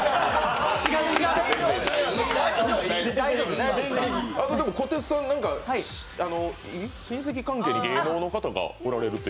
違うこてつさん、親戚関係で芸能の方がおられると？